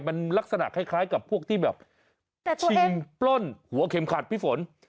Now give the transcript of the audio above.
มันลักษณะคล้ายกับพวกที่แบบชิงปล้นหัวเข็มขัดพี่ฝน